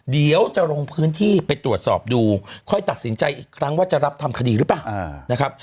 เดี๋ยวจะลงพื้นที่ไปตรวจสอบดูค่อยตัดสินใจอีกครั้งว่าจะรับทำคดีหรือเปล่านะครับ